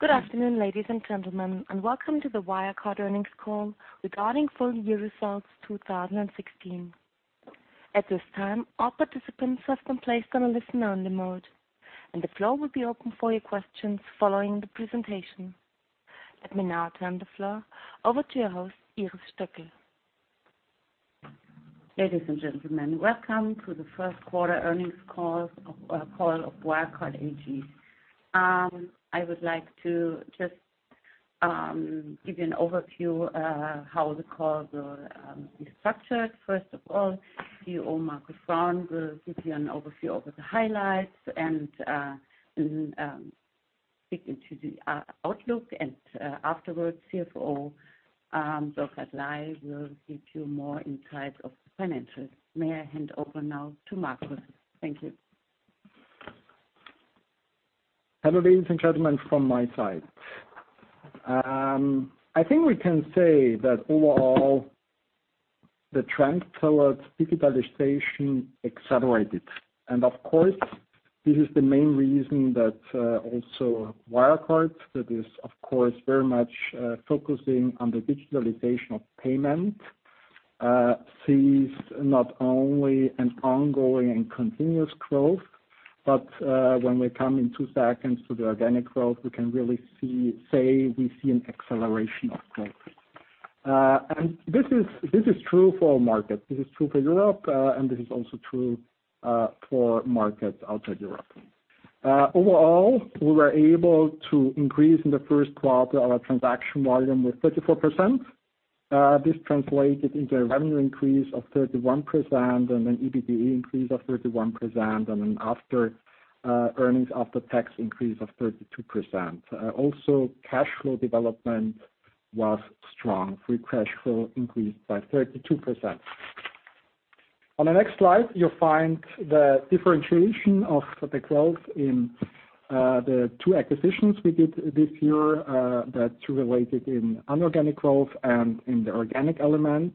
Good afternoon, ladies and gentlemen, welcome to the Wirecard earnings call regarding full year results 2016. At this time, all participants have been placed on a listen-only mode, the floor will be open for your questions following the presentation. Let me now turn the floor over to your host, Iris Stöckl. Ladies and gentlemen, welcome to the first quarter earnings call of Wirecard AG. I would like to just give you an overview of how the call will be structured. First of all, CEO Markus Braun will give you an overview of the highlights and speak into the outlook. Afterwards, CFO Burkhard Ley will give you more insights of the financials. May I hand over now to Markus? Thank you. Hello, ladies and gentlemen from my side. I think we can say that overall, the trend towards digitalization accelerated. Of course, this is the main reason that also Wirecard, that is of course very much focusing on the digitalization of payment, sees not only an ongoing and continuous growth, but when we come in two seconds to the organic growth, we can really say we see an acceleration of growth. This is true for all markets. This is true for Europe, this is also true for markets outside Europe. Overall, we were able to increase in the first quarter our transaction volume with 34%. This translated into a revenue increase of 31% and an EBITDA increase of 31%, and an earnings after tax increase of 32%. Also, cash flow development was strong. Free cash flow increased by 32%. On the next slide, you'll find the differentiation of the growth in the two acquisitions we did this year, the two related in inorganic growth and in the organic element.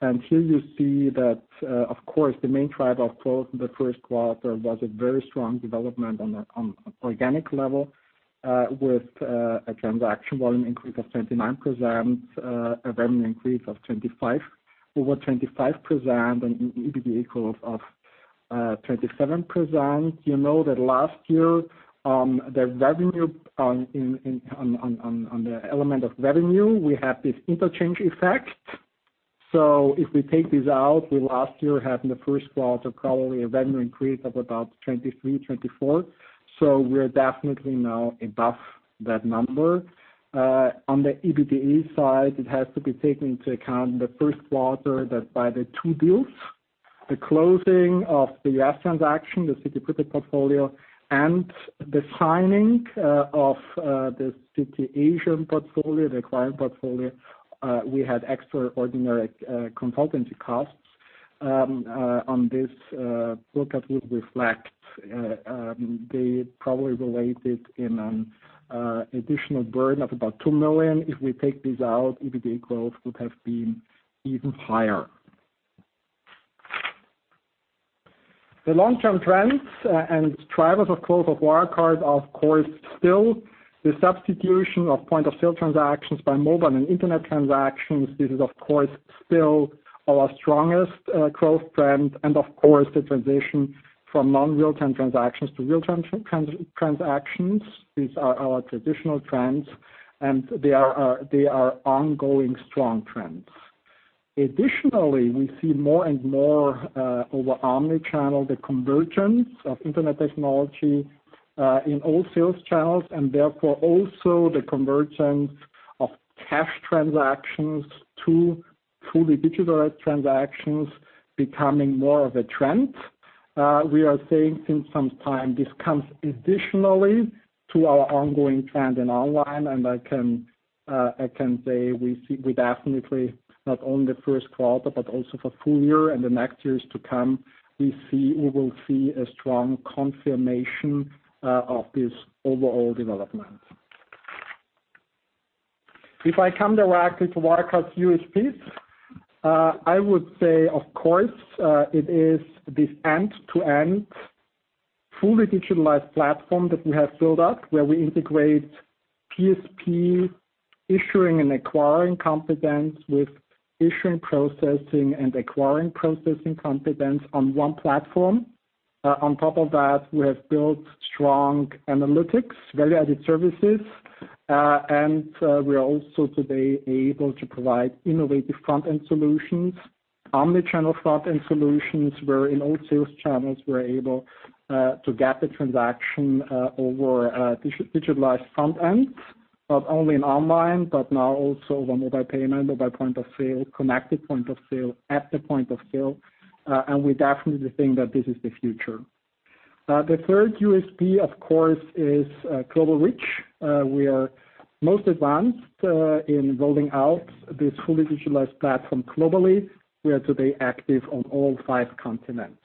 Here you see that, of course, the main driver of growth in the first quarter was a very strong development on organic level, with a transaction volume increase of 29%, a revenue increase of over 25%, and an EBITDA growth of 27%. You know that last year on the element of revenue, we have this interchange effect. If we take this out, we last year had in the first quarter, probably a revenue increase of about 23%-24%. We're definitely now above that number. On the EBITDA side, it has to be taken into account the first quarter that by the two deals, the closing of the U.S. transaction, the Citi Prepaid portfolio, and the signing of the Citi Asian portfolio, the client portfolio, we had extraordinary consultancy costs. On this, Burkhard will reflect. They probably related in an additional burden of about 2 million. If we take this out, EBITDA growth would have been even higher. The long-term trends and drivers of growth of Wirecard are, of course, still the substitution of point-of-sale transactions by mobile and internet transactions. This is, of course, still our strongest growth trend, and of course, the transition from non-real-time transactions to real-time transactions. These are our traditional trends, and they are ongoing strong trends. Additionally, we see more and more over omnichannel, the convergence of internet technology in all sales channels, and therefore also the convergence of cash transactions to fully digitalized transactions becoming more of a trend. We are seeing since some time, this comes additionally to our ongoing trend in online. I can say we definitely not only the first quarter, but also for full year and the next years to come, we will see a strong confirmation of this overall development. If I come directly to Wirecard's USPs, I would say, of course, it is this end-to-end fully digitalized platform that we have built up, where we integrate PSP issuing and acquiring competence with issuing processing and acquiring processing competence on one platform. On top of that, we have built strong analytics, value-added services. We are also today able to provide innovative front-end solutions, omnichannel front-end solutions, where in all sales channels, we're able to get the transaction over a digitalized front end, not only in online, but now also on mobile payment, mobile point of sale, connected point of sale at the point of sale. We definitely think that this is the future. The third USP, of course, is global reach. We are most advanced in rolling out this fully digitalized platform globally. We are today active on all five continents.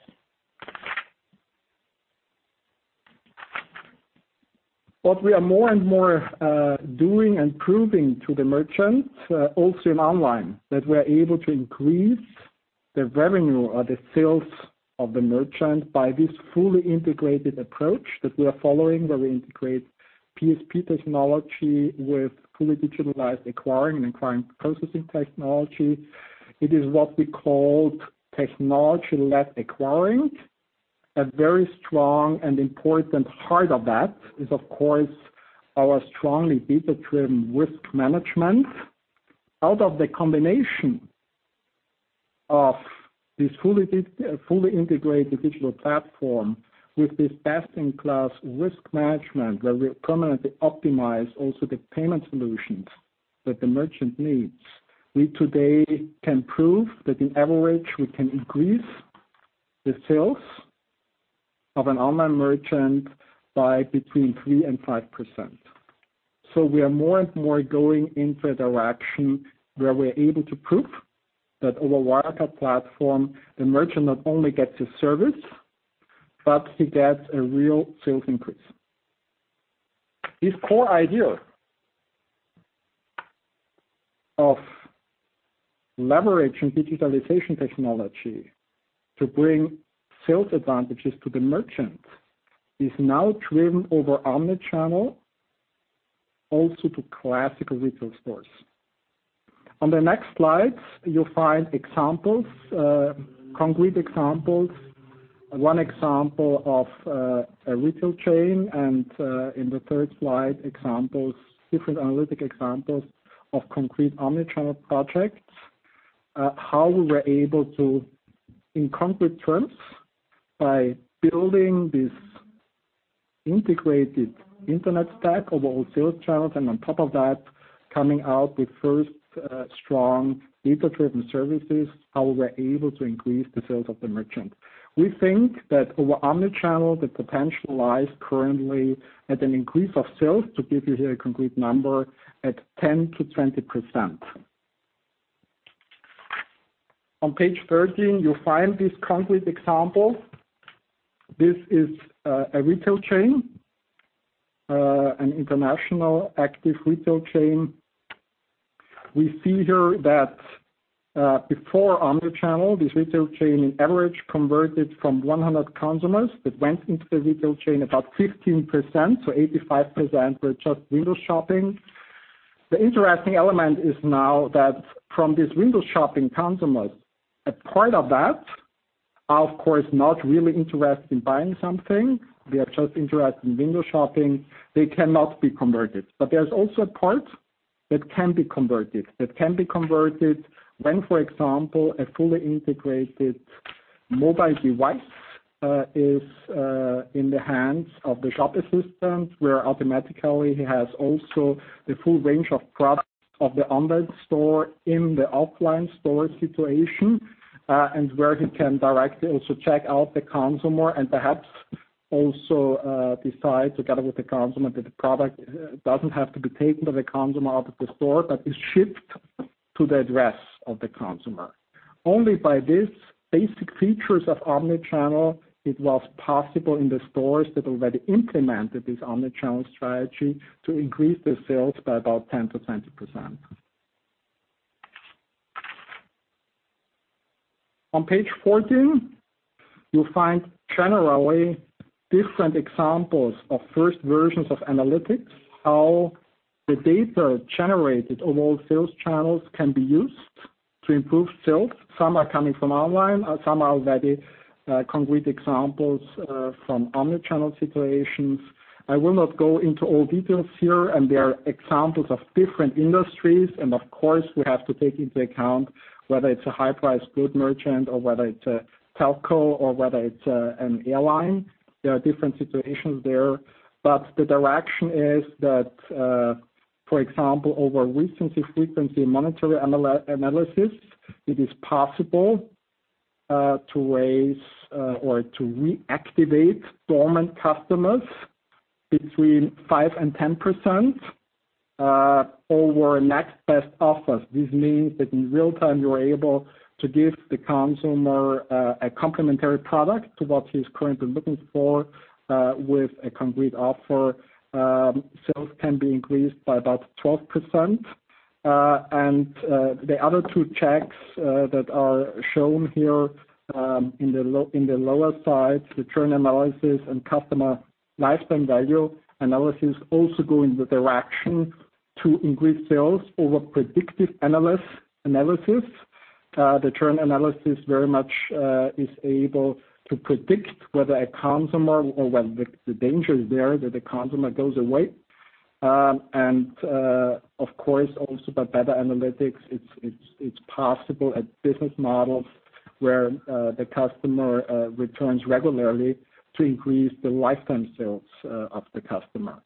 What we are more and more doing and proving to the merchants, also in online, that we are able to increase the revenue or the sales of the merchant by this fully integrated approach that we are following, where we integrate PSP technology with fully digitalized acquiring and acquiring processing technology. It is what we called technology-led acquiring. A very strong and important part of that is, of course, our strongly data-driven risk management. Out of the combination of this fully integrated digital platform with this best-in-class risk management, where we permanently optimize also the payment solutions that the merchant needs. We today can prove that in average, we can increase the sales of an online merchant by between 3%-5%. We are more and more going into a direction where we're able to prove that over Wirecard Platform, the merchant not only gets a service, but he gets a real sales increase. This core idea of leveraging digitalization technology to bring sales advantages to the merchant, is now driven over omnichannel, also to classical retail stores. On the next slides, you'll find concrete examples. One example of a retail chain, and in the third slide, different analytic examples of concrete omnichannel projects. How we were able to in concrete terms by building this integrated internet stack over all sales channels, and on top of that, coming out with first strong data-driven services, how we are able to increase the sales of the merchant. We think that over omnichannel, the potential lies currently at an increase of sales, to give you here a concrete number, at 10%-20%. On page 13, you will find this concrete example. This is a retail chain, an international active retail chain. We see here that before omnichannel, this retail chain in average converted from 100 consumers that went into the retail chain about 15%, so 85% were just window shopping. The interesting element is now that from these window shopping consumers, a part of that, are of course, not really interested in buying something. They are just interested in window shopping. They cannot be converted. There is also a part that can be converted. That can be converted when, for example, a fully integrated mobile device is in the hands of the shop assistant, where automatically he has also the full range of products of the online store in the offline store situation. Where he can directly also check out the consumer and perhaps also decide together with the consumer that the product does not have to be taken by the consumer out of the store, but is shipped to the address of the consumer. Only by these basic features of omnichannel, it was possible in the stores that already implemented this omnichannel strategy to increase the sales by about 10%-20%. On page 14, you will find generally different examples of first versions of analytics, how the data generated over all sales channels can be used to improve sales. Some are coming from online. Some are already concrete examples from omnichannel situations. I will not go into all details here. There are examples of different industries, and of course, we have to take into account whether it is a high-price good merchant or whether it is a telco or whether it is an airline. There are different situations there. The direction is that, for example, over recency, frequency, monetary analysis, it is possible to raise or to reactivate dormant customers between 5% and 10% over next best offers. This means that in real time, you are able to give the consumer a complementary product to what he is currently looking for, with a concrete offer. Sales can be increased by about 12%. The other two checks that are shown here in the lower side, the churn analysis and customer lifetime value analysis, also go in the direction to increase sales over predictive analysis. The churn analysis very much is able to predict whether a consumer or whether the danger is there that the consumer goes away. Of course, also by better analytics, it is possible at business models where the customer returns regularly to increase the lifetime sales of the customer.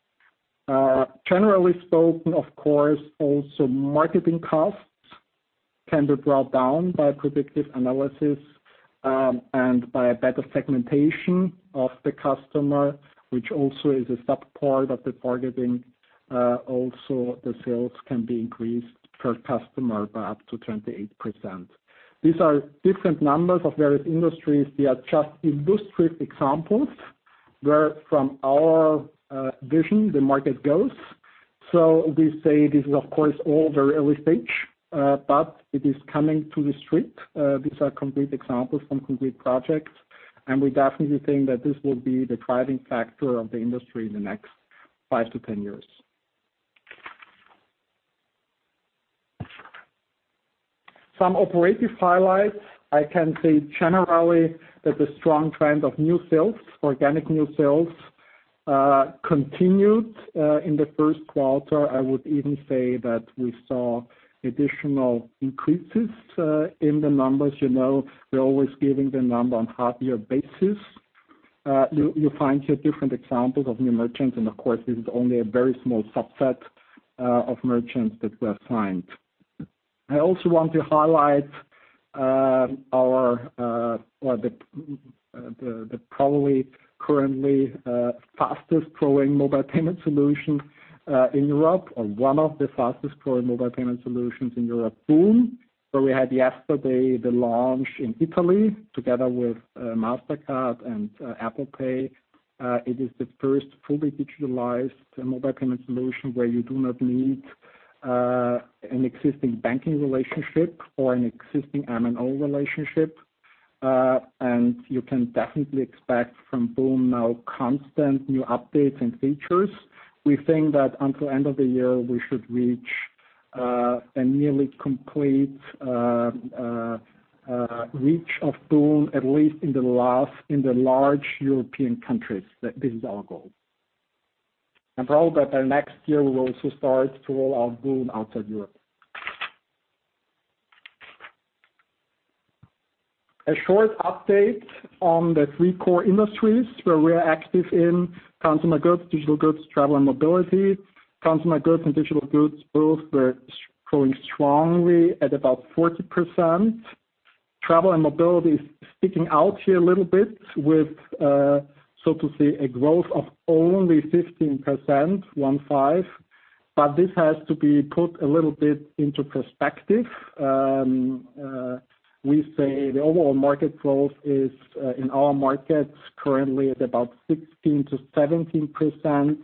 Generally spoken, of course, also marketing costs can be brought down by predictive analysis, and by a better segmentation of the customer, which also is a sub-part of the targeting. The sales can be increased per customer by up to 28%. These are different numbers of various industries. They are just illustrative examples where from our vision, the market goes. We say this is, of course, all very early stage, but it is coming to the street. These are complete examples from complete projects, we definitely think that this will be the driving factor of the industry in the next 5 to 10 years. Some operative highlights. I can say generally, that the strong trend of new sales, organic new sales, continued in the first quarter. I would even say that we saw additional increases in the numbers. You know we're always giving the number on half-year basis. You'll find here different examples of new merchants, and of course, this is only a very small subset of merchants that were signed. I also want to highlight the probably currently fastest-growing mobile payment solution in Europe, or one of the fastest-growing mobile payment solutions in Europe, boon. We had yesterday the launch in Italy together with Mastercard and Apple Pay. It is the first fully digitalized mobile payment solution where you do not need an existing banking relationship or an existing MNO relationship. You can definitely expect from boon. now constant new updates and features. We think that until end of the year, we should reach a nearly complete reach of boon., at least in the large European countries. This is our goal. Probably by next year, we will also start to roll out boon. outside Europe. A short update on the three core industries where we are active in, consumer goods, digital goods, travel and mobility. Consumer goods and digital goods both were growing strongly at about 40%. Travel and mobility is sticking out here a little bit with, so to say, a growth of only 15%. This has to be put a little bit into perspective. We say the overall market growth is, in our markets, currently at about 16%-17%.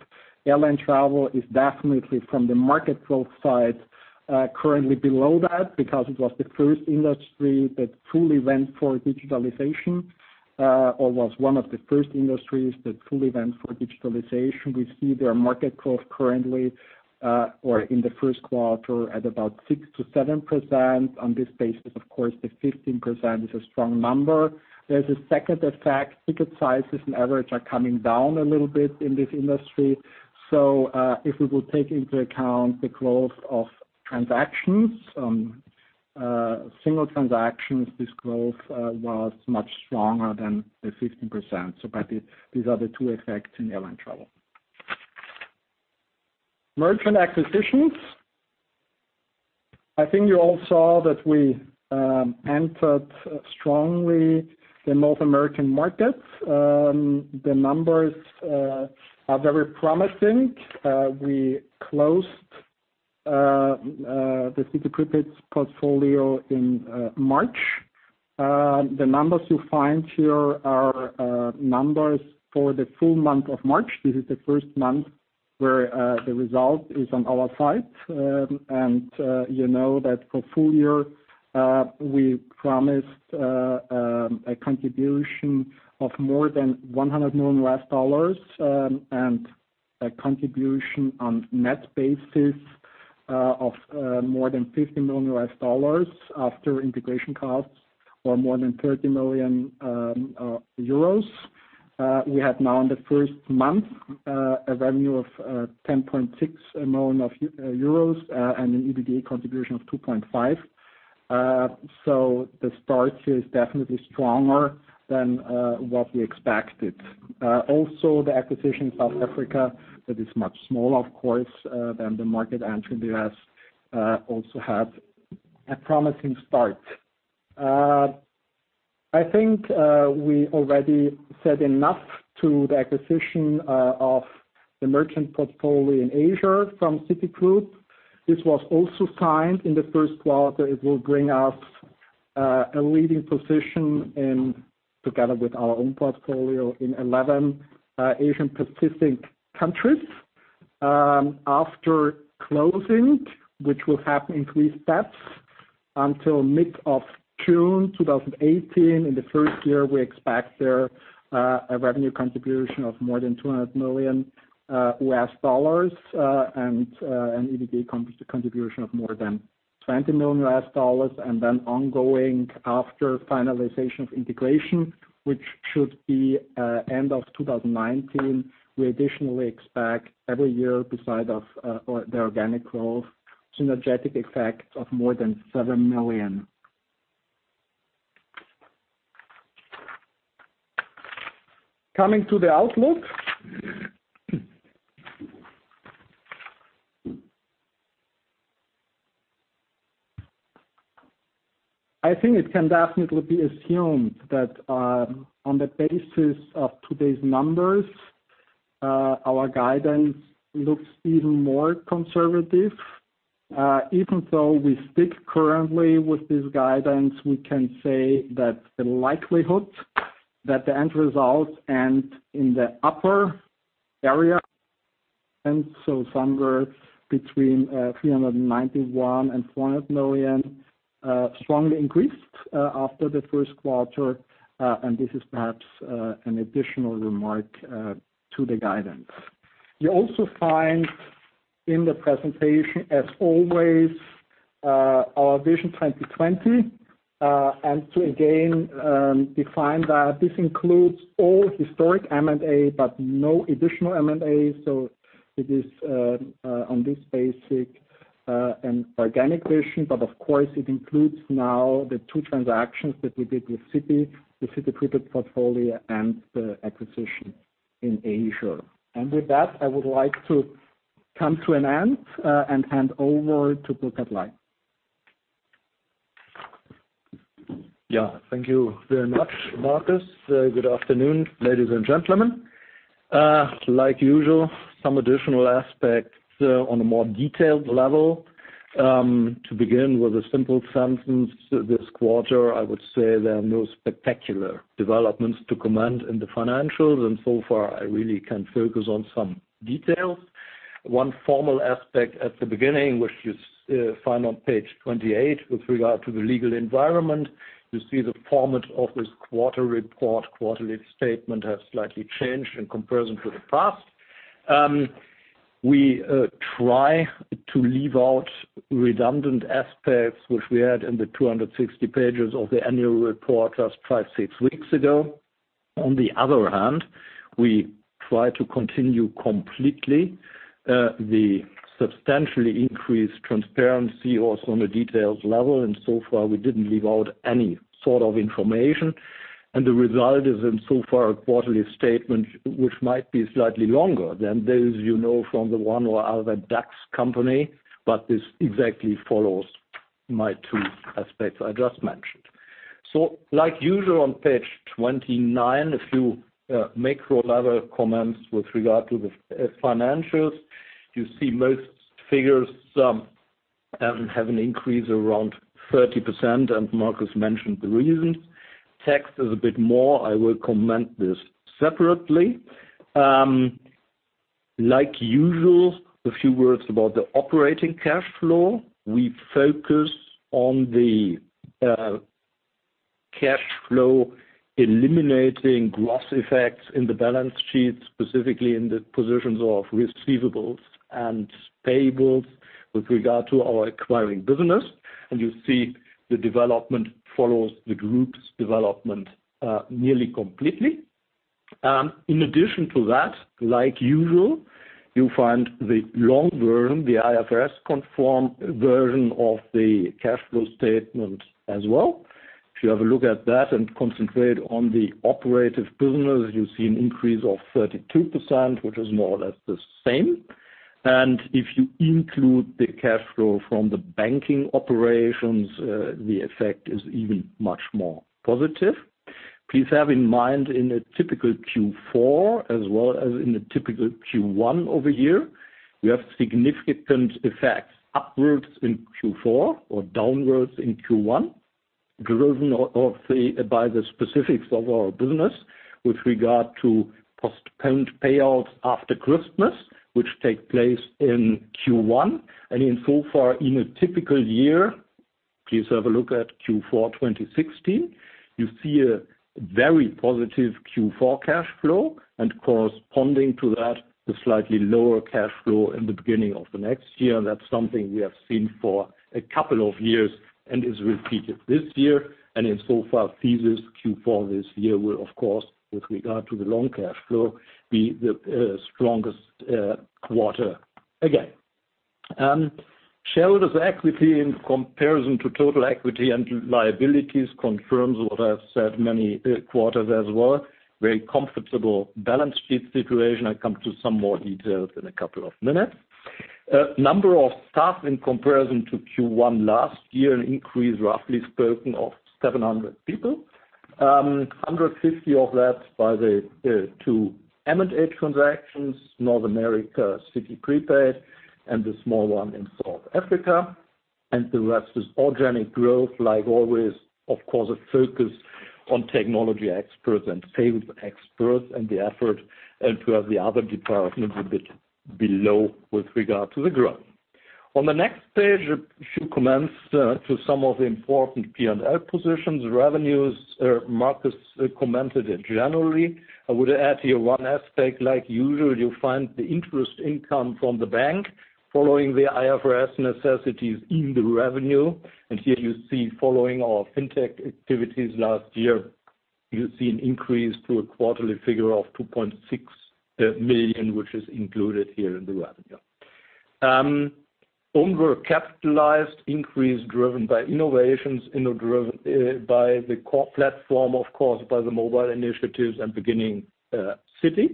Airline travel is definitely, from the market growth side, currently below that because it was the first industry that fully went for digitalization, or was one of the first industries that fully went for digitalization. We see their market growth currently, or in the first quarter, at about 6%-7%. On this basis, of course, the 15% is a strong number. There's a second effect. Ticket sizes on average are coming down a little bit in this industry. If we will take into account the growth of transactions, single transactions, this growth was much stronger than the 15%. These are the two effects in airline travel. Merchant acquisitions. I think you all saw that we entered strongly the North American markets. The numbers are very promising. We closed the Citi Prepaid portfolio in March. The numbers you find here are numbers for the full month of March. This is the first month where the result is on our side. You know that for full year, we promised a contribution of more than $100 million, and a contribution on net basis of more than $50 million after integration costs, or more than 30 million euros. We have now in the first month a revenue of 10.6 million euros and an EBITDA contribution of 2.5 million. The start here is definitely stronger than what we expected. Also, the acquisition South Africa, that is much smaller, of course, than the market entry in the U.S., also had a promising start. I think we already said enough to the acquisition of the merchant portfolio in Asia from Citigroup. This was also signed in the first quarter. It will bring us a leading position in, together with our own portfolio, in 11 Asia-Pacific countries. After closing, which will happen in three steps until mid-June 2018. In the first year, we expect there a revenue contribution of more than $200 million and an EBITDA contribution of more than $20 million. Ongoing after finalization of integration, which should be end of 2019, we additionally expect every year beside of the organic growth, synergetic effects of more than 7 million. Coming to the outlook. I think it can definitely be assumed that on the basis of today's numbers, our guidance looks even more conservative. Even so, we stick currently with this guidance. We can say that the likelihood that the end results in the upper area, somewhere between 391 million and 400 million strongly increased after the first quarter, and this is perhaps an additional remark to the guidance. You also find in the presentation, as always, our Vision 2020. To again define that this includes all historic M&A but no additional M&A, it is on this basis an organic vision. Of course it includes now the two transactions that we did with Citi, the Citi Prepaid portfolio and the acquisition in Asia. With that, I would like to come to an end and hand over to Burkhard Ley. Thank you very much, Markus. Good afternoon, ladies and gentlemen. Like usual, some additional aspects on a more detailed level. To begin with a simple sentence, this quarter, I would say there are no spectacular developments to comment in the financials. So far I really can focus on some details. One formal aspect at the beginning, which you find on page 28 with regard to the legal environment. You see the format of this quarter report, quarterly statement has slightly changed in comparison to the past. We try to leave out redundant aspects which we had in the 260 pages of the annual report just five, six weeks ago. On the other hand, we try to continue completely the substantially increased transparency also on a detailed level and so far we didn't leave out any sort of information. The result is in so far a quarterly statement which might be slightly longer than those you know from the one or other DAX company, but this exactly follows my two aspects I just mentioned. Like usual on page 29, a few macro level comments with regard to the financials. You see most figures have an increase around 30%, and Markus mentioned the reasons. Tax is a bit more, I will comment this separately. Like usual, a few words about the operating cash flow. We focus on the cash flow eliminating gross effects in the balance sheet, specifically in the positions of receivables and payables with regard to our acquiring business. You see the development follows the group's development nearly completely. In addition to that, like usual, you find the long version, the IFRS conform version of the cash flow statement as well. If you have a look at that and concentrate on the operative business, you see an increase of 32%, which is more or less the same. If you include the cash flow from the banking operations, the effect is even much more positive. Please have in mind in a typical Q4, as well as in a typical Q1 over here, we have significant effects upwards in Q4 or downwards in Q1, driven by the specifics of our business with regard to postponed payouts after Christmas, which take place in Q1. Insofar in a typical year, please have a look at Q4 2016. You see a very positive Q4 cash flow and corresponding to that, the slightly lower cash flow in the beginning of the next year. That's something we have seen for a couple of years and is repeated this year. Insofar, Q4 this year will of course with regard to the loan cash flow be the strongest quarter again. Shareholders' equity in comparison to total equity and liabilities confirms what I've said many quarters as well. Very comfortable balance sheet situation. I come to some more details in a couple of minutes. Number of staff in comparison to Q1 last year, an increase roughly spoken of 700 people. 150 of that by the two M&A transactions, North America, Citi Prepaid, and the small one in South Africa. The rest is organic growth like always, of course a focus on technology experts and sales experts and the effort to have the other departments a bit below with regard to the growth. On the next page, a few comments to some of the important P&L positions. Revenues, Markus commented in January. I would add here one aspect like usual you find the interest income from the bank following the IFRS necessities in the revenue. Here you see following our fintech activities last year, you see an increase to a quarterly figure of 2.6 million which is included here in the revenue. Own work capitalized increase driven by innovations, driven by the core platform, of course by the mobile initiatives and beginning Citi.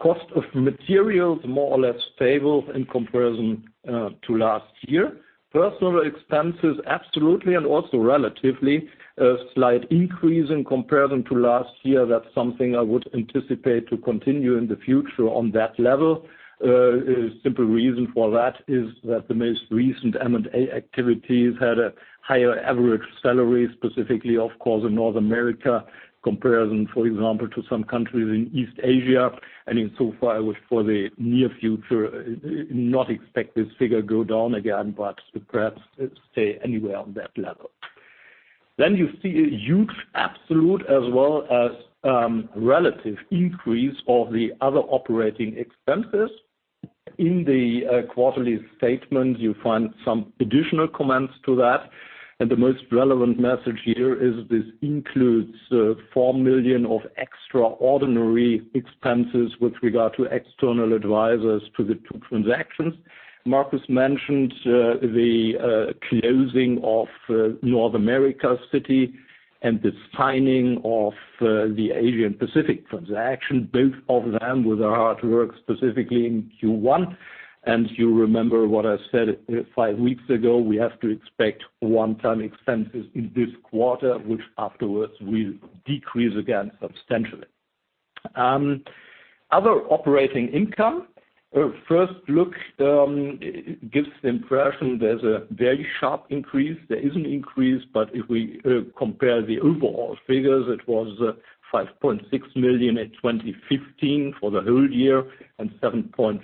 Cost of materials more or less stable in comparison to last year. Personal expenses, absolutely and also relatively a slight increase in comparison to last year. That's something I would anticipate to continue in the future on that level. A simple reason for that is that the most recent M&A activities had a higher average salary, specifically of course, in North America, comparison, for example, to some countries in East Asia. Insofar, I would for the near future, not expect this figure go down again, but perhaps stay anywhere on that level. You see a huge absolute as well as relative increase of the other operating expenses. In the quarterly statement, you find some additional comments to that. The most relevant message here is this includes 4 million of extraordinary expenses with regard to external advisors to the two transactions. Markus mentioned the closing of North America Citi and the signing of the Asian Pacific transaction, both of them with our hard work, specifically in Q1. You remember what I said five weeks ago, we have to expect one-time expenses in this quarter, which afterwards will decrease again substantially. Other operating income. First look gives the impression there's a very sharp increase. There is an increase, but if we compare the overall figures, it was 5.6 million in 2015 for the whole year and 7.5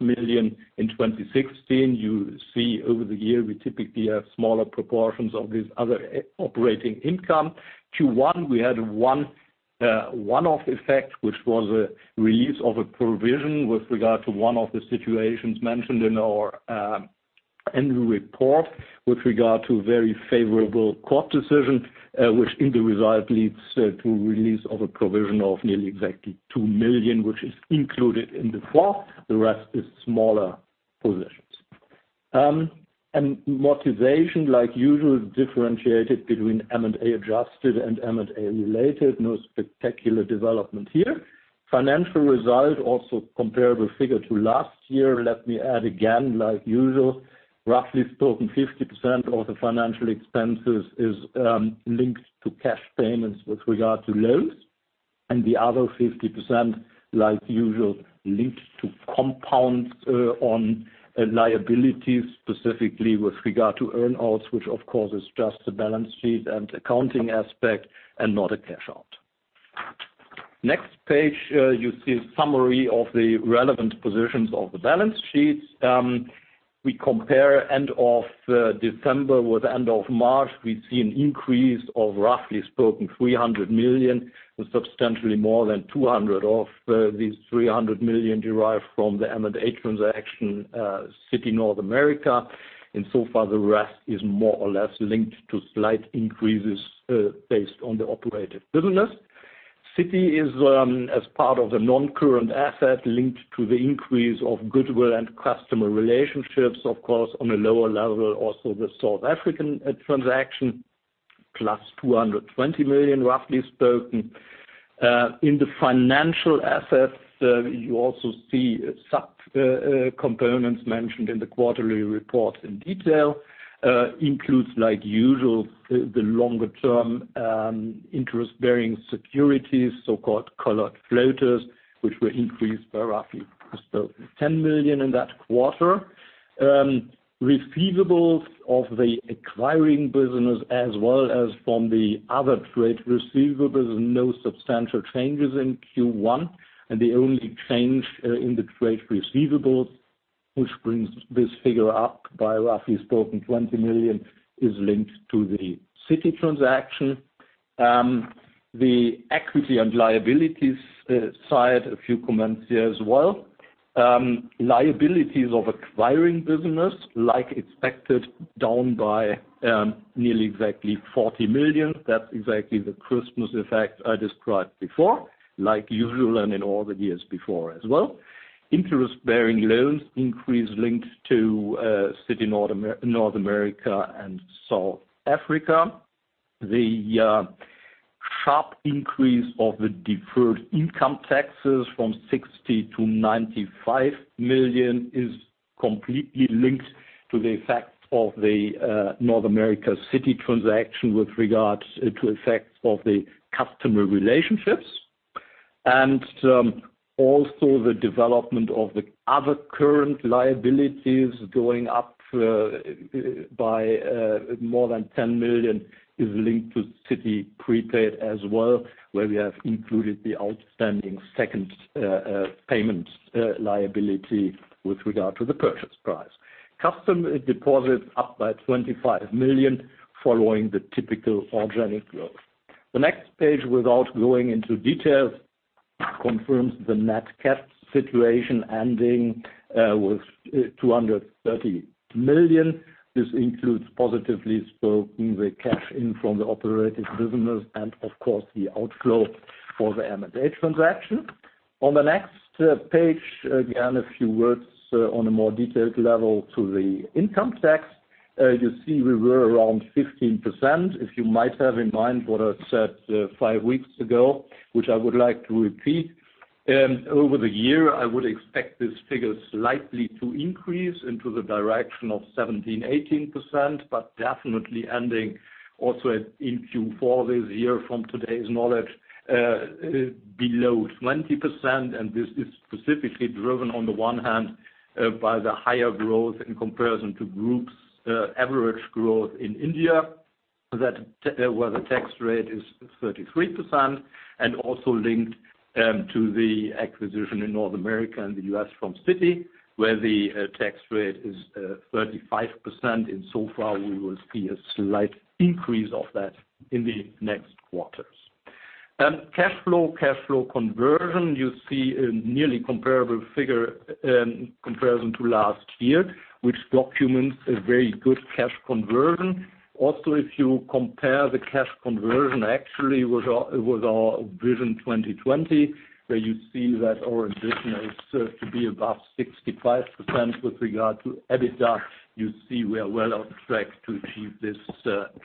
million in 2016. You see over the year, we typically have smaller proportions of this other operating income. Q1, we had a one-off effect, which was a release of a provision with regard to one of the situations mentioned in our annual report with regard to very favorable court decision, which in the result leads to release of a provision of nearly exactly 2 million, which is included in the Q1. The rest is smaller positions. Motivation, like usual, differentiated between M&A adjusted and M&A related. No spectacular development here. Financial result, also comparable figure to last year. Let me add again, like usual, roughly spoken, 50% of the financial expenses is linked to cash payments with regard to loans. The other 50%, like usual, linked to compounds on liabilities, specifically with regard to earn outs, which of course is just a balance sheet and accounting aspect and not a cash out. Next page, you see a summary of the relevant positions of the balance sheets. We compare end of December with end of March. We see an increase of roughly spoken 300 million and substantially more than 200 of these 300 million derived from the M&A transaction, Citi North America. Insofar, the rest is more or less linked to slight increases based on the operated business. Citi is as part of the non-current asset linked to the increase of goodwill and customer relationships, of course, on a lower level, also the South African transaction, plus 220 million, roughly spoken. In the financial assets, you also see sub-components mentioned in the quarterly report in detail. Includes, like usual, the longer term interest-bearing securities, so-called collared floaters, which were increased by roughly spoken 10 million in that quarter. Receivables of the acquiring business as well as from the other trade receivables, no substantial changes in Q1. The only change in the trade receivables, which brings this figure up by roughly spoken 20 million, is linked to the Citi transaction. The equity and liabilities side, a few comments here as well. Liabilities of acquiring business, like expected, down by nearly exactly 40 million. That's exactly the Christmas effect I described before, like usual and in all the years before as well. Interest-bearing loans increase linked to Citi North America and South Africa. The sharp increase of the deferred income taxes from 60 million to 95 million is completely linked to the effect of the North America Citi transaction with regards to effects of the customer relationships. Also the development of the other current liabilities going up by more than 10 million is linked to Citi Prepaid as well, where we have included the outstanding second payment liability with regard to the purchase price. Customer deposits up by 25 million following the typical organic growth. The next page, without going into details, confirms the net cash situation ending with 230 million. This includes positively spoken the cash in from the operating business and of course, the outflow for the M&A transaction. On the next page, again, a few words on a more detailed level to the income tax. You see we were around 15%, if you might have in mind what I said five weeks ago, which I would like to repeat. Over the year, I would expect this figure slightly to increase into the direction of 17%, 18%, definitely ending also in Q4 this year from today's knowledge below 20%. This is specifically driven on the one hand by the higher growth in comparison to group's average growth in India, where the tax rate is 33%, also linked to the acquisition in North America and the U.S. from Citi, where the tax rate is 35%. So far, we will see a slight increase of that in the next quarters. Cash flow conversion, you see a nearly comparable figure in comparison to last year, which documents a very good cash conversion. If you compare the cash conversion actually with our Vision 2020, where you see that our ambition is to be above 65% with regard to EBITDA, you see we are well on track to achieve this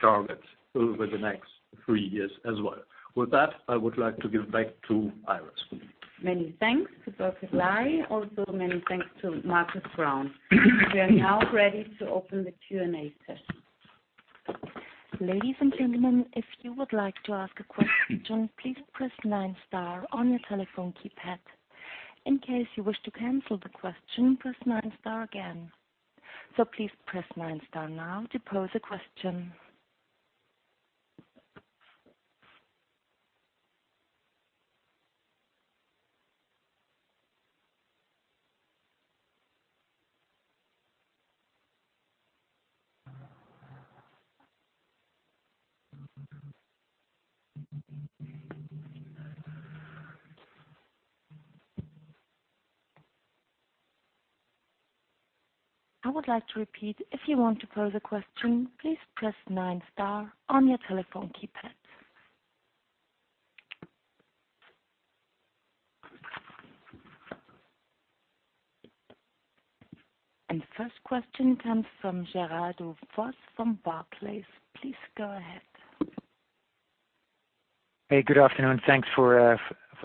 target over the next three years as well. With that, I would like to give back to Iris. Many thanks to Burkhard Ley. Many thanks to Markus Braun. We are now ready to open the Q&A session. Ladies and gentlemen, if you would like to ask a question, please press nine star on your telephone keypad. In case you wish to cancel the question, press nine star again. Please press nine star now to pose a question. I would like to repeat, if you want to pose a question, please press nine star on your telephone keypad. First question comes from Gerardus Vos from Barclays. Please go ahead. Hey, good afternoon. Thanks for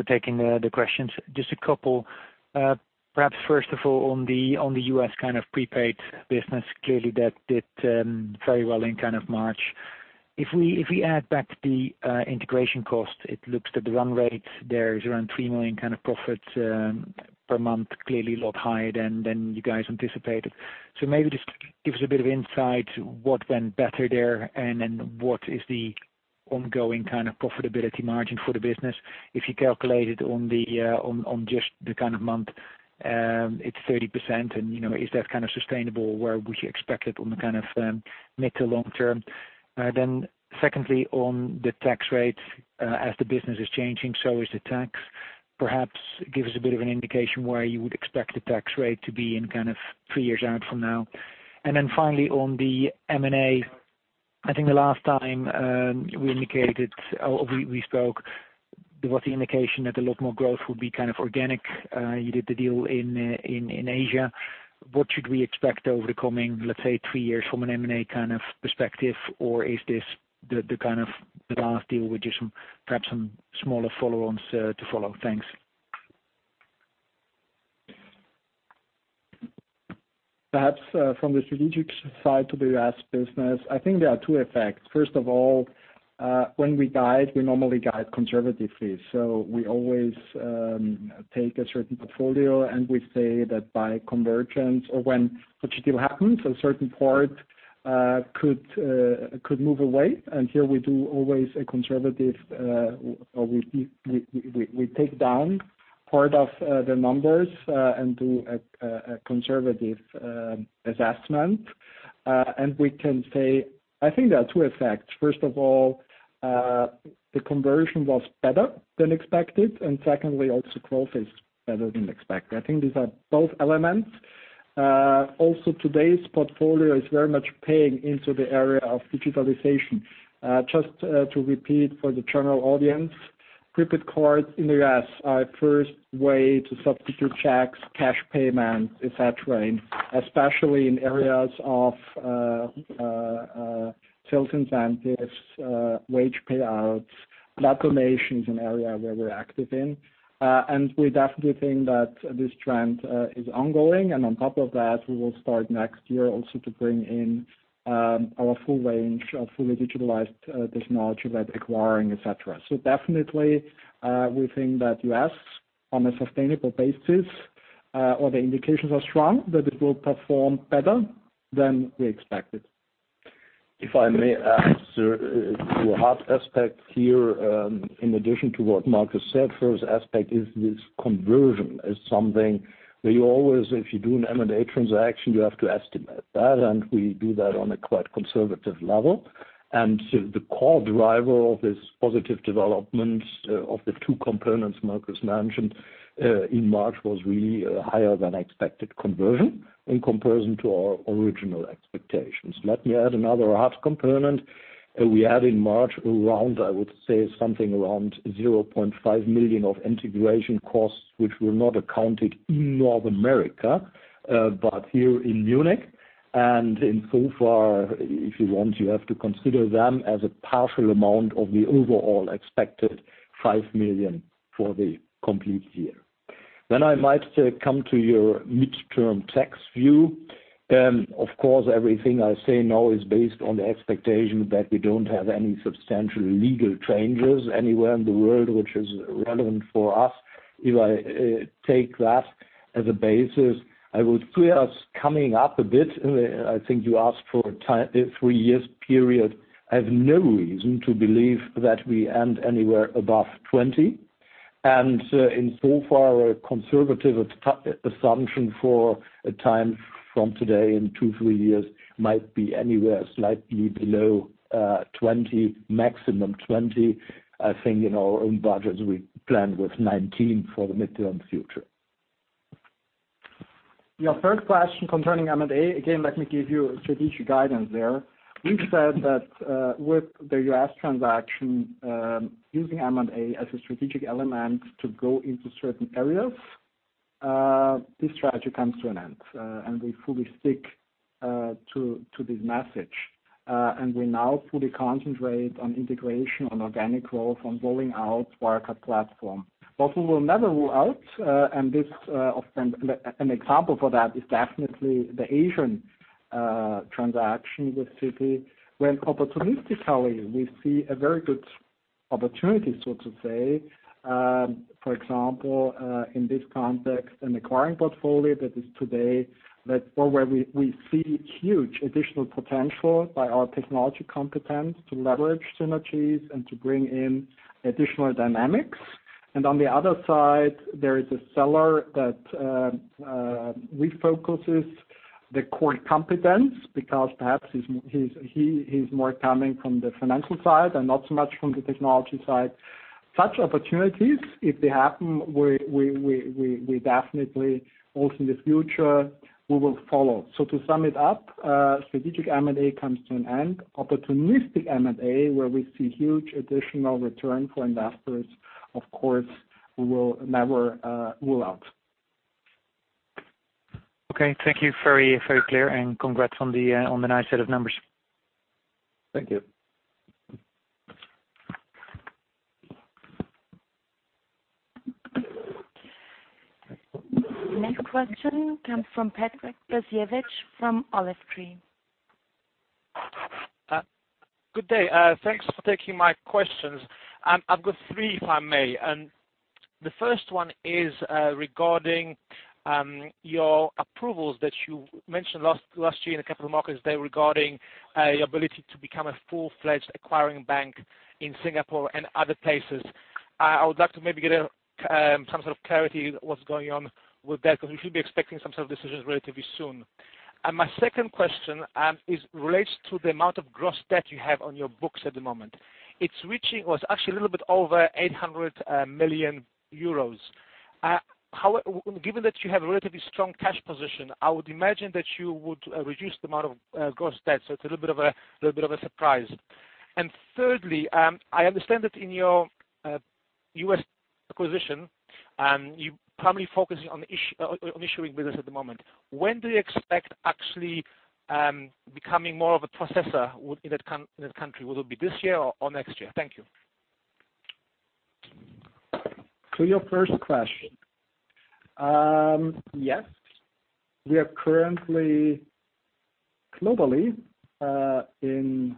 taking the questions. Just a couple. Perhaps first of all, on the U.S. kind of prepaid business, clearly that did very well in March. If we add back the integration cost, it looks that the run rate there is around 3 million kind of profits per month, clearly a lot higher than you guys anticipated. Maybe just give us a bit of insight what went better there, what is the ongoing kind of profitability margin for the business. If you calculate it on just the kind of month, it's 30%. Is that kind of sustainable where we expect it on the kind of mid to long term? Secondly, on the tax rate, as the business is changing, so is the tax. Perhaps give us a bit of an indication where you would expect the tax rate to be in kind of 3 years out from now. Finally on the M&A, I think the last time we spoke, there was the indication that a lot more growth would be kind of organic. You did the deal in Asia. What should we expect over the coming, let's say, 3 years from an M&A kind of perspective? Or is this the kind of the last deal with just perhaps some smaller follow-ons to follow? Thanks. Perhaps from the strategic side to the U.S. business, I think there are two effects. First of all, when we guide, we normally guide conservatively. We always take a certain portfolio, and we say that by convergence or when a particular happens, a certain part could move away. Here we do always a conservative, or we take down part of the numbers and do a conservative assessment. We can say, I think there are two effects. First of all, the conversion was better than expected, and secondly, also growth is better than expected. I think these are both elements. Also today's portfolio is very much paying into the area of digitalization. Just to repeat for the general audience, prepaid cards in the U.S. are first way to substitute checks, cash payment, et cetera, especially in areas of sales incentives, wage payouts, donations, an area where we're active in. On top of that, we will start next year also to bring in our full range of fully digitalized technology like acquiring, et cetera. Definitely we think that U.S. on a sustainable basis or the indications are strong that it will perform better than we expected. If I may add to half aspect here in addition to what Markus said, first aspect is this conversion is something where you always, if you do an M&A transaction, you have to estimate that, and we do that on a quite conservative level. The core driver of this positive development of the two components Markus mentioned in March was really a higher than expected conversion in comparison to our original expectations. Let me add another half component. We had in March around, I would say, something around 0.5 million of integration costs, which were not accounted in North America, but here in Munich. Insofar, if you want, you have to consider them as a partial amount of the overall expected 5 million for the complete year. I might come to your midterm tax view. Of course, everything I say now is based on the expectation that we don't have any substantial legal changes anywhere in the world, which is relevant for us. If I take that as a basis, I would see us coming up a bit. I think you asked for a three years period. I have no reason to believe that we end anywhere above 20. Insofar, a conservative assumption for a time from today in two, three years might be anywhere slightly below 20, maximum 20. I think in our own budgets, we plan with 19 for the midterm future. Your first question concerning M&A. Again, let me give you strategic guidance there. We've said that with the U.S. transaction, using M&A as a strategic element to go into certain areas, this strategy comes to an end, and we fully stick to this message. We now fully concentrate on integration, on organic growth, on rolling out Wirecard Platform. What we will never rule out, and an example for that is definitely the Asian transaction with Citi. When opportunistically we see a very good opportunity, so to say, for example, in this context, an acquiring portfolio that is today, or where we see huge additional potential by our technology competence to leverage synergies and to bring in additional dynamics. On the other side, there is a seller that refocuses the core competence because perhaps he's more coming from the financial side and not so much from the technology side. Such opportunities, if they happen, we definitely also in the future, we will follow. To sum it up, strategic M&A comes to an end. Opportunistic M&A, where we see huge additional return for investors, of course, we will never rule out. Okay. Thank you. Very clear and congrats on the nice set of numbers. Thank you. Next question comes from Patrick Prajsnar from Olive Tree. Good day. Thanks for taking my questions. I've got three, if I may. The first one is regarding your approvals that you mentioned last year in the capital markets day regarding your ability to become a full-fledged acquiring bank in Singapore and other places. I would like to maybe get some sort of clarity what's going on with that, because we should be expecting some sort of decisions relatively soon. My second question is related to the amount of gross debt you have on your books at the moment. It's reaching what's actually a little bit over 800 million euros. Given that you have a relatively strong cash position, I would imagine that you would reduce the amount of gross debt. It's a little bit of a surprise. Thirdly, I understand that in your U.S. acquisition, you're probably focusing on issuing business at the moment. When do you expect actually becoming more of a processor in that country? Will it be this year or next year? Thank you. To your first question. Yes. We are currently globally in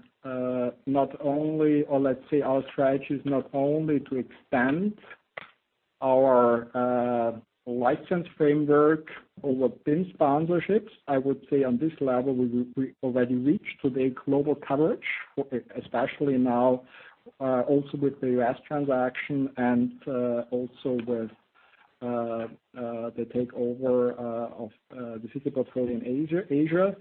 not only, or let's say our strategy is not only to expand our license framework over BIN sponsorships. I would say on this level, we already reached today global coverage, especially now also with the U.S. transaction and also with the takeover of the physical portfolio in Asia.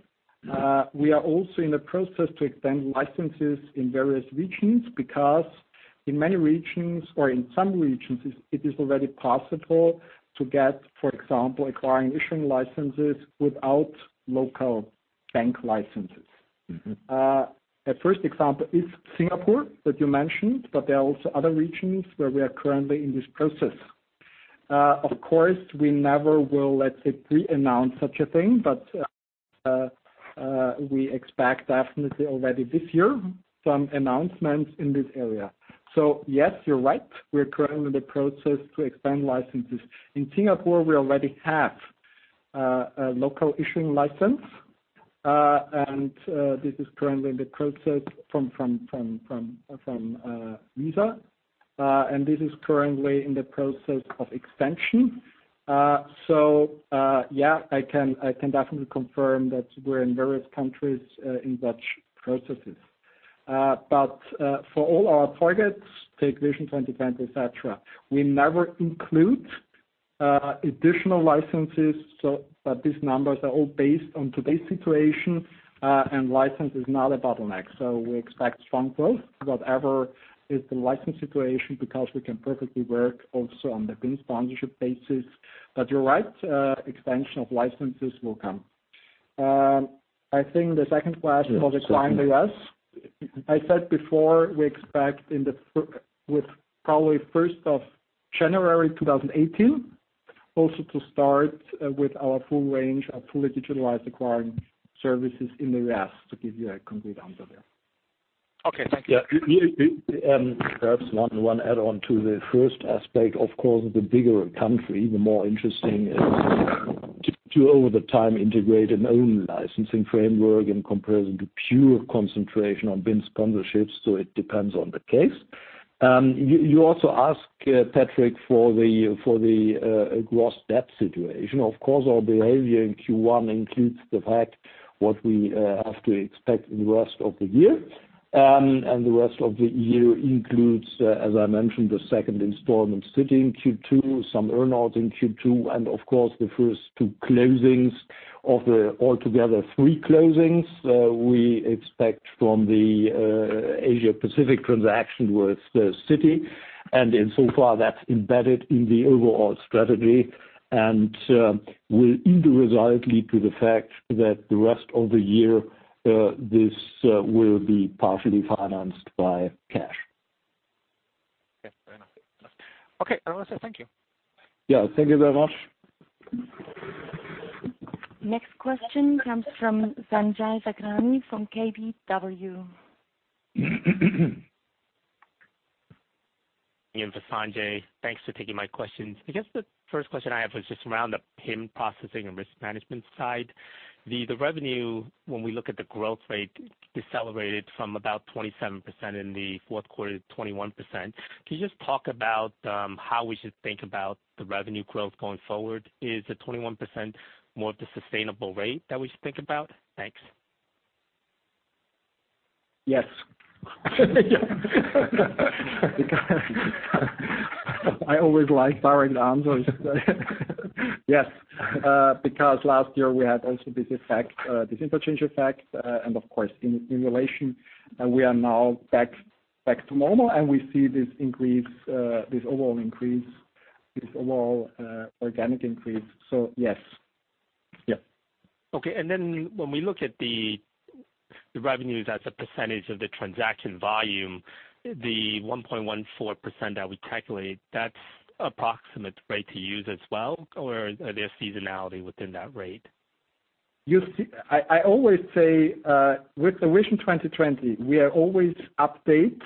We are also in the process to extend licenses in various regions because in many regions, or in some regions, it is already possible to get, for example, acquiring issuing licenses without local bank licenses. A first example is Singapore, that you mentioned, there are also other regions where we are currently in this process. Of course, we never will, let's say, pre-announce such a thing, we expect definitely already this year, some announcements in this area. Yes, you're right. We're currently in the process to expand licenses. In Singapore, we already have a local issuing license. This is currently in the process from Visa. This is currently in the process of extension. Yeah, I can definitely confirm that we're in various countries in such processes. For all our targets, take Vision 2020, et cetera, we never include additional licenses, that these numbers are all based on today's situation, and license is not a bottleneck. We expect strong growth, whatever is the license situation, because we can perfectly work also on the BIN sponsorship basis. You're right, extension of licenses will come. I think the second question was acquiring U.S. I said before, we expect with probably 1st of January 2018 also to start with our full range of fully digitalized acquiring services in the U.S., to give you a concrete answer there. Okay. Thank you. Yeah. Perhaps one add-on to the first aspect, of course, the bigger country, the more interesting it is to, over time, integrate an own licensing framework in comparison to pure concentration on BIN sponsorships. It depends on the case. You also asked, Patrick, for the gross debt situation. Of course, our behavior in Q1 includes the fact what we have to expect in the rest of the year. The rest of the year includes, as I mentioned, the second installment Citi in Q2, some earn-outs in Q2, and of course, the first two closings of the altogether three closings we expect from the Asia Pacific transaction with Citi. In so far, that's embedded in the overall strategy and will in the result lead to the fact that the rest of the year, this will be partially financed by cash. Okay. Fair enough. Okay. Thank you. Yeah. Thank you very much. Next question comes from Sanjay Sakhrani from KBW. Yeah. This is Sanjay. Thanks for taking my questions. I guess the first question I have is just around the BIN processing and risk management side. The revenue, when we look at the growth rate, decelerated from about 27% in the fourth quarter to 21%. Can you just talk about how we should think about the revenue growth going forward? Is the 21% more of the sustainable rate that we should think about? Thanks. Yes. I always like direct answers. Yes, because last year we had also this interchange effect, and of course, in emulation, we are now back to normal, and we see this overall organic increase. Yes. Okay. When we look at the revenues as a percentage of the transaction volume, the 1.14% that we calculate, that's approximate rate to use as well, or are there seasonality within that rate? You see, I always say, with the Vision 2020, we are always update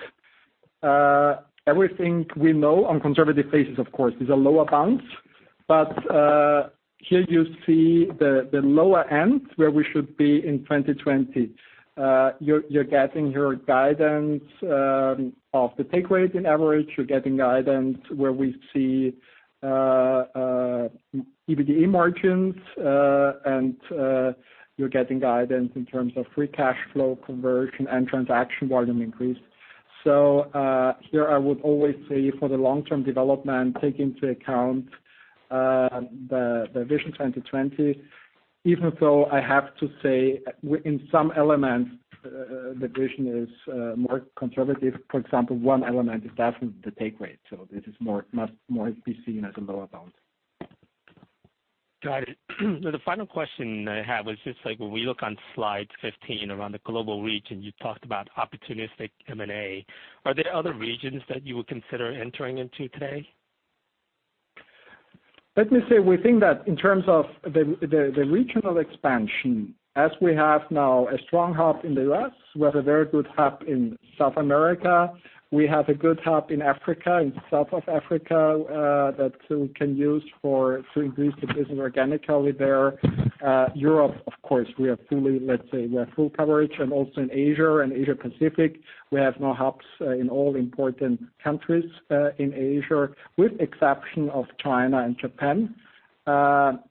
everything we know on conservative basis, of course. These are lower bounds. Here you see the lower end where we should be in 2020. You're getting your guidance of the take rate in average. You're getting guidance where we see EBITDA margins, and you're getting guidance in terms of free cash flow conversion and transaction volume increase. Here I would always say for the long-term development, take into account the Vision 2020, even though I have to say, in some elements, the vision is more conservative. For example, one element, the take rate. This is more to be seen as a lower bound. Got it. The final question I have is just like when we look on slide 15 around the global reach, you talked about opportunistic M&A. Are there other regions that you would consider entering into today? Let me say, we think that in terms of the regional expansion, as we have now a strong hub in the U.S., we have a very good hub in South America. We have a good hub in Africa, in the south of Africa, that we can use to increase the business organically there. Europe, of course, we have full coverage, also in Asia and Asia Pacific. We have now hubs in all important countries in Asia, with exception of China and Japan. We are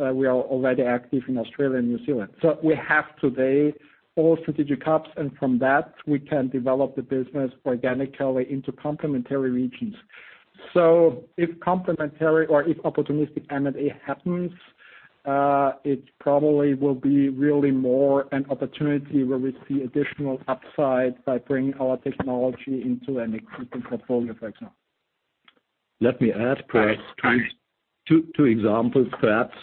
already active in Australia and New Zealand. We have today all strategic hubs, and from that, we can develop the business organically into complementary regions. If complementary or if opportunistic M&A happens, it probably will be really more an opportunity where we see additional upside by bringing our technology into an existing portfolio, for example. Let me add perhaps two examples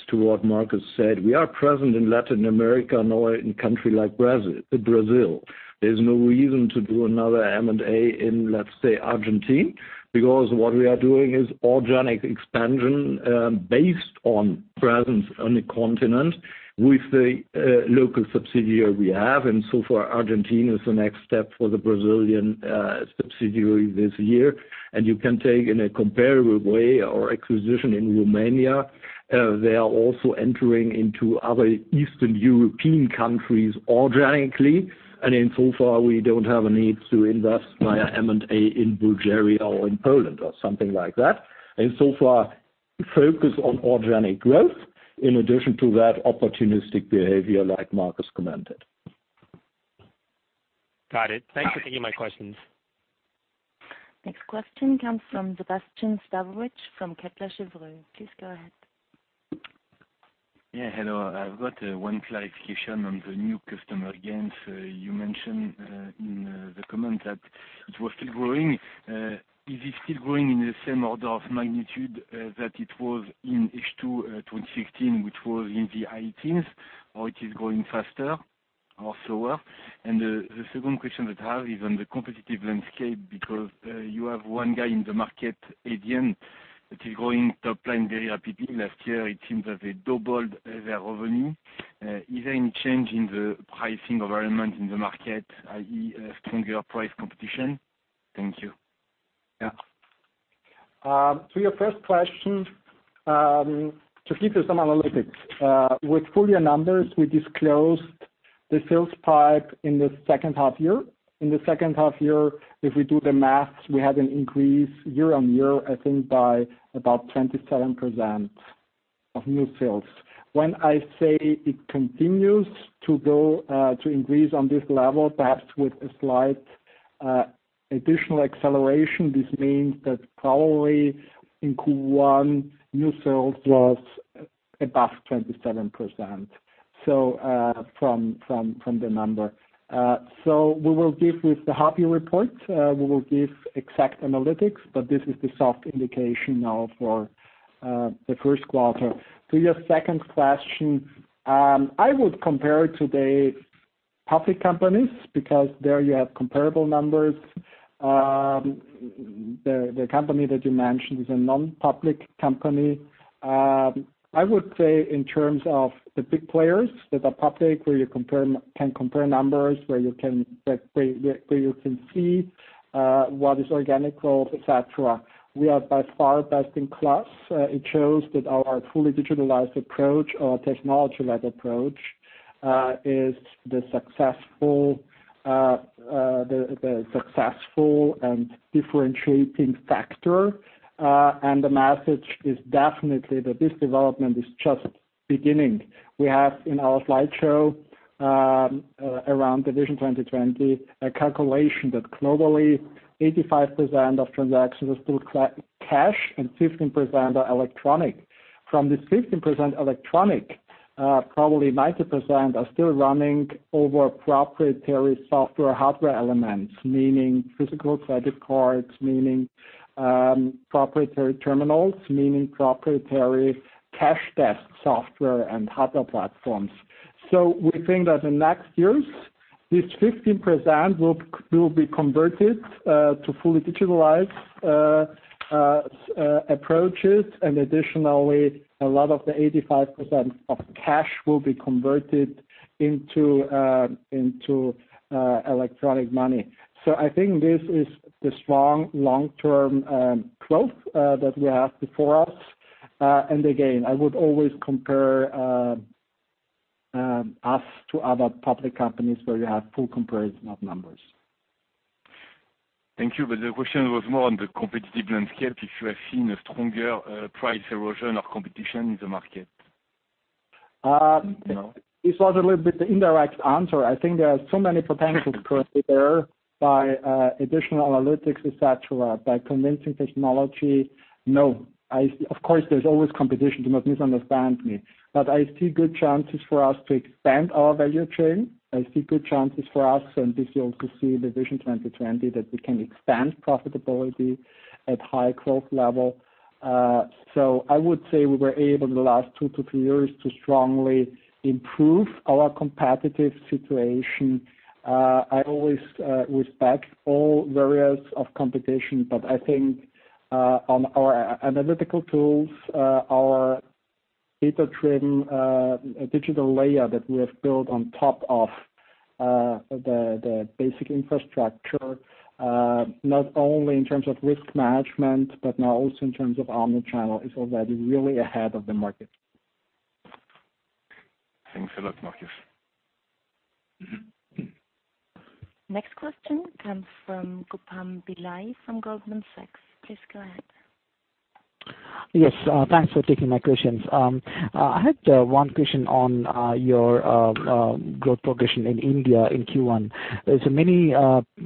to what Markus said. We are present in Latin America, now in country like Brazil. There's no reason to do another M&A in, let's say, Argentina, because what we are doing is organic expansion based on presence on the continent with the local subsidiary we have. For Argentina, it's the next step for the Brazilian subsidiary this year. You can take in a comparable way our acquisition in Romania. They are also entering into other Eastern European countries organically. In so far, we don't have a need to invest via M&A in Bulgaria or in Poland or something like that. In so far, focus on organic growth. In addition to that, opportunistic behavior like Markus commented. Got it. Thanks for taking my questions. Next question comes from Sébastien Sztabowicz from Kepler Cheuvreux. Please go ahead. Yeah. Hello. I have got one clarification on the new customer gains. You mentioned in the comment that it was still growing. Is it still growing in the same order of magnitude that it was in H2 2016, which was in the high teens, or it is growing faster or slower? The second question that I have is on the competitive landscape, because you have one guy in the market, Adyen, that is growing top line very rapidly. Last year, it seems that they doubled their revenue. Is there any change in the pricing environment in the market, i.e., stronger price competition? Thank you. Yeah. To your first question, to give you some analytics. With full year numbers, we disclosed the sales pipe in the second half year. In the second half year, if we do the maths, we had an increase year-on-year, I think, by about 27% of new sales. When I say it continues to increase on this level, perhaps with a slight additional acceleration, this means that probably in Q1, new sales was above 27% from the number. We will give, with the half year report, we will give exact analytics, but this is the soft indication now for the first quarter. To your second question, I would compare today public companies, because there you have comparable numbers. The company that you mentioned is a non-public company. I would say in terms of the big players that are public, where you can compare numbers, where you can see what is organic growth, et cetera. We are by far best in class. It shows that our fully digitalized approach, our technology-led approach, is the successful and differentiating factor. The message is definitely that this development is just beginning. We have in our slideshow, around Vision 2020, a calculation that globally 85% of transactions are still cash and 15% are electronic. From the 15% electronic, probably 90% are still running over proprietary software, hardware elements, meaning physical credit cards, meaning proprietary terminals, meaning proprietary cash desk software and hardware platforms. We think that in next years, this 15% will be converted to fully digitalized approaches, and additionally, a lot of the 85% of cash will be converted into electronic money. I think this is the strong long-term growth that we have before us. Again, I would always compare us to other public companies where you have full comparison of numbers. Thank you. The question was more on the competitive landscape, if you have seen a stronger price erosion of competition in the market. This was a little bit indirect answer. I think there are so many potentials currently there by additional analytics, et cetera, by convincing technology. Of course, there's always competition, do not misunderstand me. I see good chances for us to expand our value chain. I see good chances for us, and this you also see in Vision 2020, that we can expand profitability at high growth level. I would say we were able in the last two to three years to strongly improve our competitive situation. I always respect all areas of competition, I think on our analytical tools, our data driven digital layer that we have built on top of the basic infrastructure, not only in terms of risk management, but now also in terms of omnichannel, is already really ahead of the market. Thanks a lot, Markus. Next question comes from Gautam Pillai from Goldman Sachs. Please go ahead. Yes. Thanks for taking my questions. I had one question on your growth progression in India in Q1. Many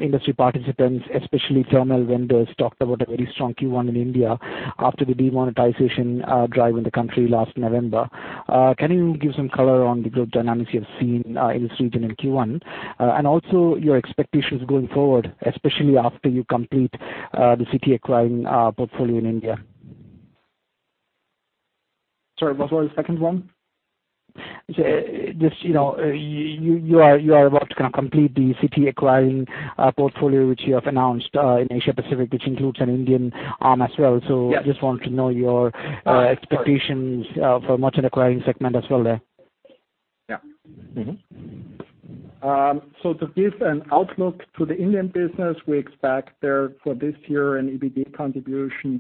industry participants, especially terminal vendors, talked about a very strong Q1 in India after the demonetization drive in the country last November. Can you give some color on the growth dynamics you have seen in this region in Q1? Also your expectations going forward, especially after you complete the Citi acquiring portfolio in India. Sorry, what was the second one? You are about to complete the Citi acquiring portfolio, which you have announced in Asia Pacific, which includes an Indian arm as well. Yes. Just want to know your expectations for merchant acquiring segment as well there. To give an outlook to the Indian business, we expect there for this year an EBITDA contribution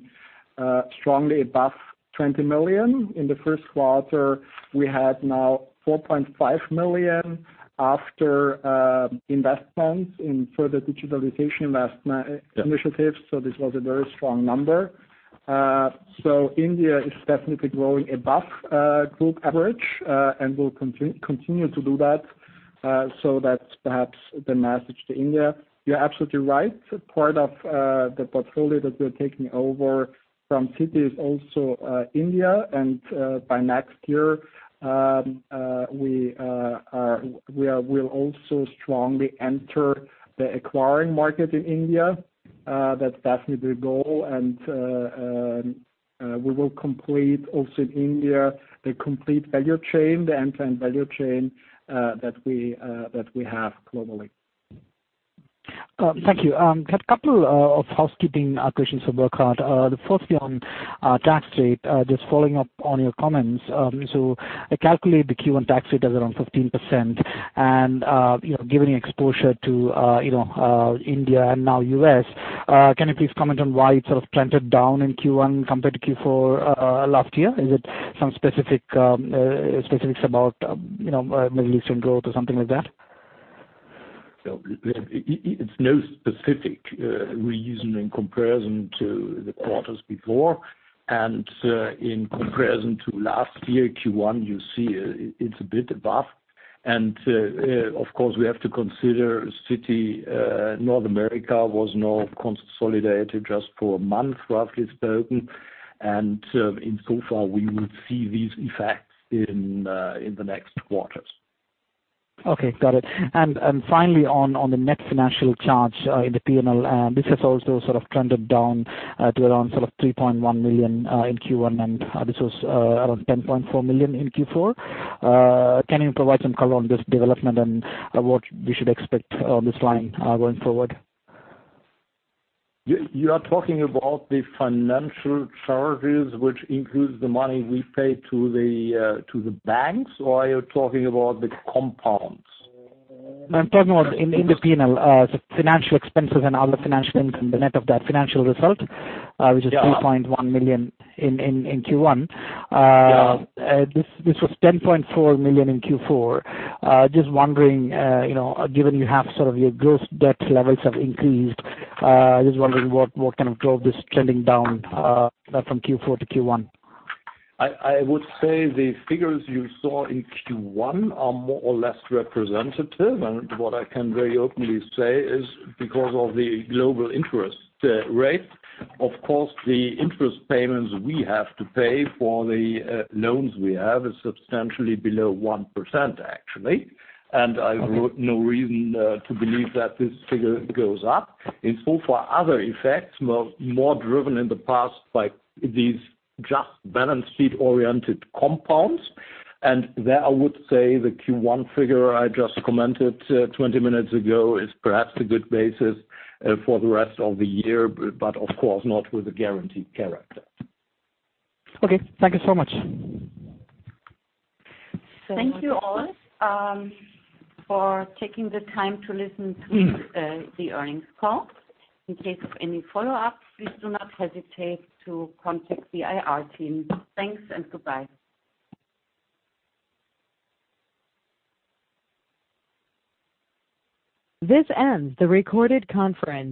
strongly above 20 million. In the first quarter, we had now 4.5 million after investments in further digitalization investment initiatives. This was a very strong number. India is definitely growing above group average and will continue to do that. That's perhaps the message to India. You're absolutely right. Part of the portfolio that we're taking over from Citi is also India, and by next year, we will also strongly enter the acquiring market in India. That's definitely the goal. We will complete also in India, the complete value chain, the end-to-end value chain that we have globally. Thank you. I have a couple of housekeeping questions for Burkhard. The first one, tax rate, just following up on your comments. I calculate the Q1 tax rate as around 15%. Given your exposure to India and now U.S., can you please comment on why it sort of trended down in Q1 compared to Q4 last year? Is it some specifics about Middle Eastern growth or something like that? It's no specific we're using in comparison to the quarters before. In comparison to last year, Q1, you see it's a bit above. Of course, we have to consider Citi North America was now consolidated just for a month, roughly spoken. Insofar, we will see these effects in the next quarters. Okay. Got it. Finally, on the net financial charge in the P&L, this has also sort of trended down to around sort of 3.1 million in Q1, and this was around 10.4 million in Q4. Can you provide some color on this development and what we should expect on this line going forward? You are talking about the financial charges, which includes the money we pay to the banks? Are you talking about the compounds? I'm talking about in the P&L, the financial expenses and other financial income, the net of that financial result. Yeah which is 3.1 million in Q1. Yeah. This was 10.4 million in Q4. Just wondering, given you have sort of your gross debt levels have increased, just wondering what kind of drove this trending down from Q4 to Q1? I would say the figures you saw in Q1 are more or less representative. What I can very openly say is because of the global interest rate, of course, the interest payments we have to pay for the loans we have is substantially below 1%, actually. Okay I've no reason to believe that this figure goes up. Insofar other effects, more driven in the past by these just balance sheet-oriented compounds. There I would say the Q1 figure I just commented 20 minutes ago is perhaps a good basis for the rest of the year, but of course not with a guaranteed character. Okay. Thank you so much. Thank you all for taking the time to listen to the earnings call. In case of any follow-ups, please do not hesitate to contact the IR team. Thanks and goodbye. This ends the recorded conference.